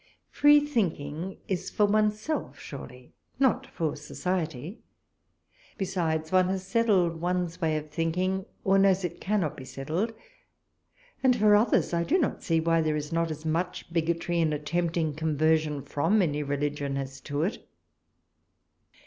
Free thinking is for one's self, surely not for society; besides one has settled one's way of thinking, or knows it cannot be settled, and for others I do not see why there is not as much bigotry in attempting conversion from any religion as to it.